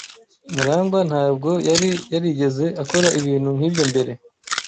Murangwa ntabwo yari yarigeze akora ibintu nkibyo mbere.